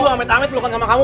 amit amit pelukan sama kamu